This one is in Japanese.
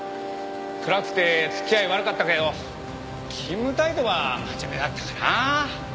暗くて付き合い悪かったけど勤務態度は真面目だったかな。